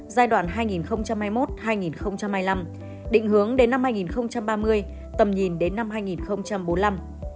giai đoạn hai nghìn hai mươi một hai nghìn hai mươi năm định hướng đến năm hai nghìn ba mươi tầm nhìn đến năm hai nghìn bốn mươi năm